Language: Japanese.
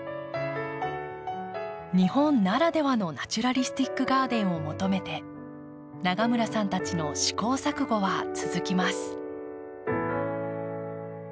日本ならではのナチュラリスティックガーデンを求めて永村さんたちの試行錯誤は続きます。